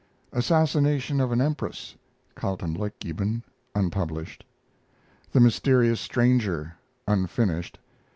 ASSASSINATION OF AN EMPRESS (Kaltenleutgeben) (unpublished). THE MYSTERIOUS STRANGER (unfinished).